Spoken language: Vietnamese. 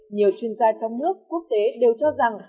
nhiều chuyên gia trong nước quốc tế đều cho rằng